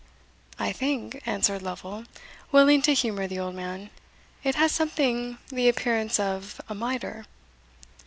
"I think," answered Lovel, willing to humour the old man, "it has something the appearance of a mitre."